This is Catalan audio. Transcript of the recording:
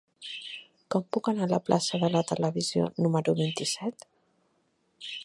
Com puc anar a la plaça de la Televisió número vint-i-set?